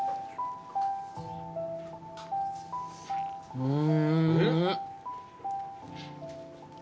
うん！